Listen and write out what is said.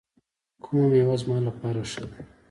کومه میوه زما لپاره ښه ده؟